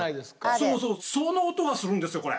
そうそうその音がするんですよこれ。